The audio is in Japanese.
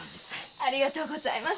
ありがとうございます。